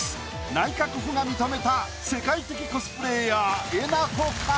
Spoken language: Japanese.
内閣府が認めた世界的コスプレイヤーえなこか？